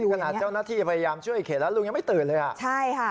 ขนาดเจ้าหน้าที่พยายามช่วยเขตแล้วลุงยังไม่ตื่นเลยอ่ะใช่ค่ะ